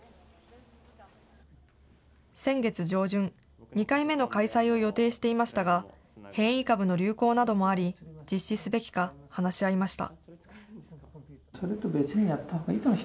先月上旬、２回目の開催を予定していましたが、変異株の流行などもあり、実施すべきか話し合いました。